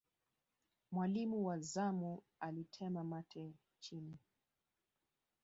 mwalimu wa zamu alitema mate chini